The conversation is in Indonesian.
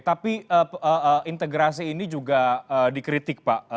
tapi integrasi ini juga dikritik pak